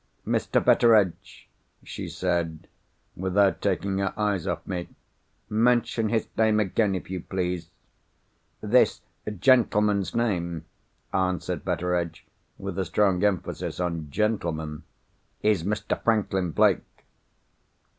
"Mr. Betteredge," she said, without taking her eyes off me, "mention his name again, if you please." "This gentleman's name," answered Betteredge (with a strong emphasis on gentleman), "is Mr. Franklin Blake."